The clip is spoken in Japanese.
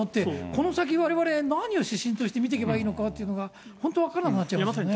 この先われわれ何を指針として見ていけばいいのかというのが、本当、分かんなくなっちゃいますよね。